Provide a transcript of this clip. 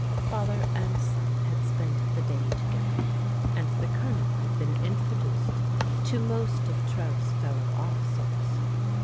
Father and son had spent the day together, and the Colonel had been introduced to most of Trev's fellow officers.